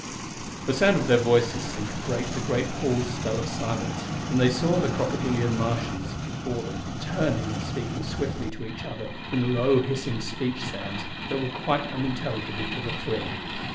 The sound of their voices seemed to break the great hall's spell of silence, and they saw the crocodilian Martians before them turning and speaking swiftly to each other in low hissing speech sounds that were quite unintelligible to the three.